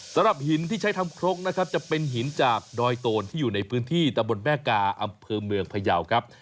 สำหรับหินที่ใช้ทำครกนะครับจะเป็นหินจากดอยโตนที่อยู่ในพื้นที่ตะบนแม่กาอำเภอเมืองพยาวครับ